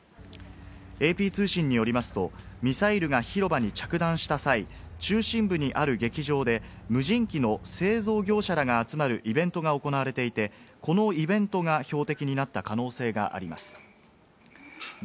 ＡＰ通信によりますと、ミサイルが広場に着弾した際、中心部にある劇場で無人機の製造業者が集まるイベントが行われていて、このイベントが標的になった可能性があります。